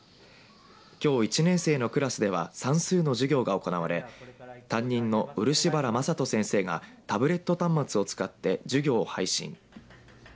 きょう１年生のクラスでは算数の授業が行われ担任の漆原聖人先生がタブレット端末を使って授業を配信。